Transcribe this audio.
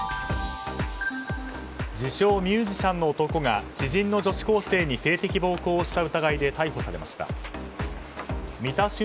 自称ミュージシャンの男が知人の女子高生に性的暴行をした疑いで逮捕されました。